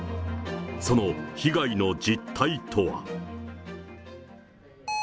その被害の実態とは。